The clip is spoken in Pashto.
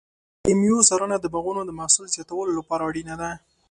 د مېوو څارنه د باغونو د محصول زیاتولو لپاره اړینه ده.